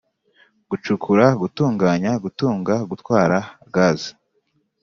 Gucukura gutunganya gutunga gutwara gaze